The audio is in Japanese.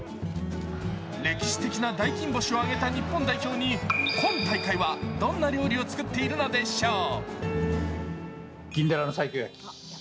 歴史的な大金星を挙げた日本代表に、今大会はどんな料理を作っているのでしょう？